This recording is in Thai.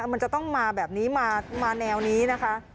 วันนี้มาแนวนี้นะคะ